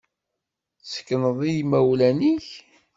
Tessekneḍ i imawlan-ik?